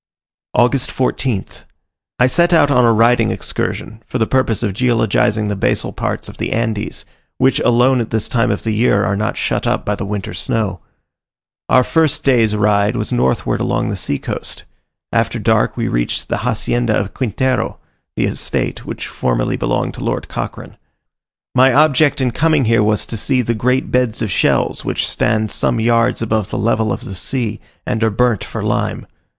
August 14th. I set out on a riding excursion, for the purpose of geologizing the basal parts of the Andes, which alone at this time of the year are not shut up by the winter snow. Our first day's ride was northward along the sea coast. After dark we reached the Hacienda of Quintero, the estate which formerly belonged to Lord Cochrane. My object in coming here was to see the great beds of shells, which stand some yards above the level of the sea, and are burnt for lime.